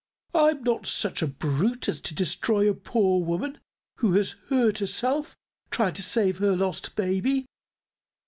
"I'm not such a brute as to destroy a poor woman who has hurt herself trying to save her lost baby.